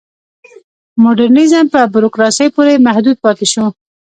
مډرنیزم په بوروکراسۍ پورې محدود پاتې شو.